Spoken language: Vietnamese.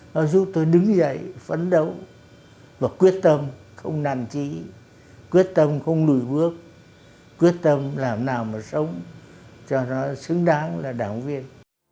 nó giúp tôi đứng dậy phấn đấu và quyết tâm không nản trí quyết tâm không lùi bước quyết tâm làm nào mà sống cho nó xứng đáng là đảng viên